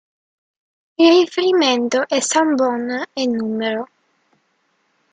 Il riferimento è Sambon e numero.